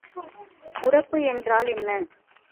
உரப்பு என்றால் என்ன?